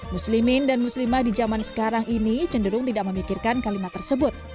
muslimin dan muslimah di zaman sekarang ini cenderung tidak memikirkan kalimat tersebut